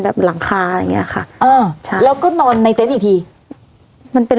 หลังคาอย่างเงี้ยค่ะอ่าใช่แล้วก็นอนในเต็นต์อีกทีมันเป็น